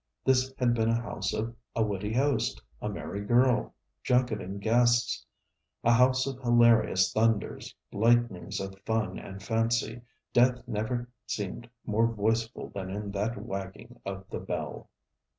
This had been a house of a witty host, a merry girl, junketting guests; a house of hilarious thunders, lightnings of fun and fancy. Death never seemed more voiceful than in that wagging of the bell.